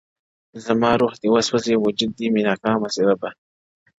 زما روح دي وسوځي؛ وجود دي مي ناکام سي ربه؛